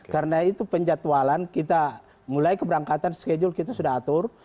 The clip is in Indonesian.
karena itu penjatualan kita mulai keberangkatan schedule kita sudah atur